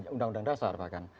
undang undang dasar bahkan